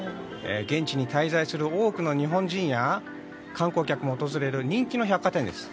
現地に滞在する多くの日本人や観光客も訪れる人気の百貨店です。